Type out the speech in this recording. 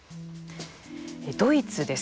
ドイツです。